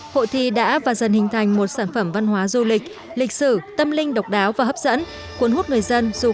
hội thi đã và dần hình thành một sản phẩm văn hóa du lịch lịch sử tâm linh độc đáo và hấp dẫn